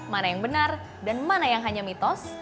mana yang benar dan mana yang hanya mitos